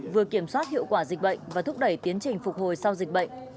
vừa kiểm soát hiệu quả dịch bệnh và thúc đẩy tiến trình phục hồi sau dịch bệnh